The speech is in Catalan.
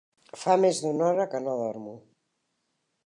Fa més d'una hora que no dormo.